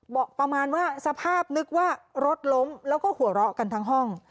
ประมาณว่าสภาพนึกว่ารถล้มแล้วก็หัวเราะกันทั้งห้อง